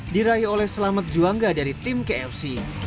diraih oleh selamat juwangga dari tim kfc